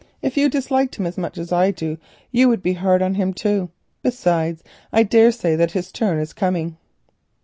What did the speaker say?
If you disliked him as much as I do you would be hard on him, too. Besides, I daresay that his turn is coming."